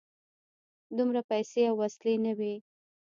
دومره پیسې او وسلې نه وې.